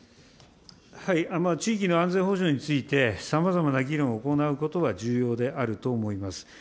地域の安全保障について、さまざまな議論を行うことは重要であると思います。